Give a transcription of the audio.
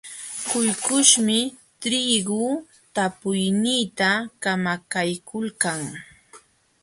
Kullkuśhmi triigu talpuyniita kamakaykuykan.